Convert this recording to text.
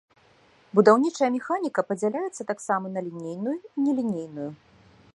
Будаўнічая механіка падзяляецца таксама на лінейную і нелінейную.